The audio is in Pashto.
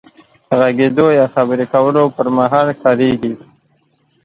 غږېدو يا خبرې کولو پر مهال کارېږي.